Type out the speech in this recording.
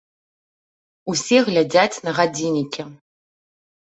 Усе глядзяць на гадзіннікі.